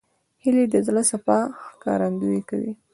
هیلۍ د زړه صفا ښکارندویي کوي